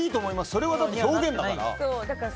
それは表現だから。